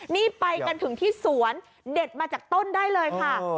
นี่ไปกันถึงที่สวนเด็ดมาจากต้นได้เลยค่ะ